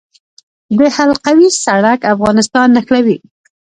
د حلقوي سړک افغانستان نښلوي